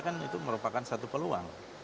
kan itu merupakan satu peluang